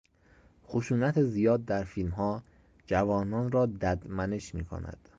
خشونت زیاد در فیلمها جوانان را ددمنش میکند.